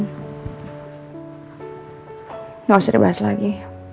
gak usah dibahas lagi